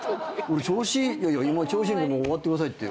いやいや今「調子いいまま終わってください」って。